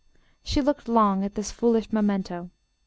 She looked long at this foolish memento.